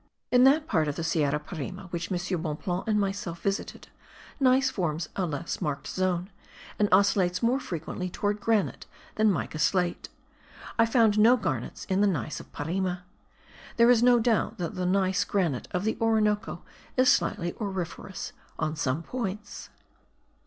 In that part of the Sierra Parime which M. Bonpland and myself visited, gneiss forms a less marked zone, and oscillates more frequently towards granite than mica slate. I found no garnets in the gneiss of Parime. There is no doubt that the gneiss granite of the Orinoco is slightly auriferous on some points.